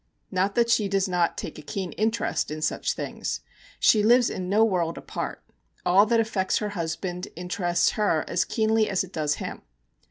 Not that she does not take a keen interest in such things. She lives in no world apart; all that affects her husband interests her as keenly as it does him.